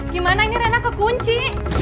gimana ini rena kekunci